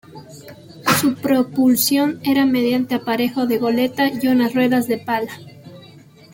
Su propulsión era mediante aparejo de goleta y unas ruedas de palas.